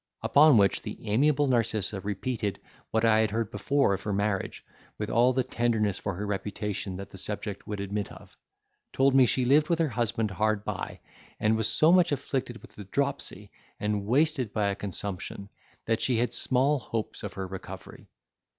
Upon which, the amiable Narcissa repeated what I had heard before of her marriage, with all the tenderness for her reputation that the subject would admit of; told me she lived with her husband hard by, and was so much afflicted with the dropsy, and wasted by a consumption, that she had small hopes of her recovery.